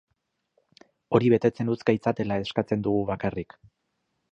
Hori betetzen utz gaitzatela eskatzen dugu bakarrik.